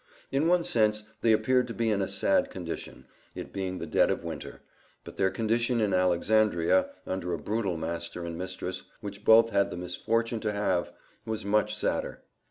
In one sense, they appeared to be in a sad condition, it being the dead of winter, but their condition in Alexandria, under a brutal master and mistress which both had the misfortune to have, was much sadder.